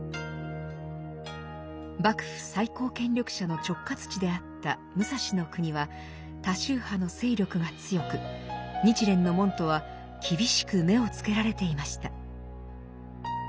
幕府最高権力者の直轄地であった武蔵国は他宗派の勢力が強く日蓮の門徒は厳しく目をつけられていました。